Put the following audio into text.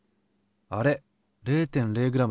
あれ０．０ｇだ。